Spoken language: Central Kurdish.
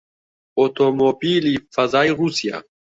ئۆتۆمۆبیلی فەزای ڕووسیا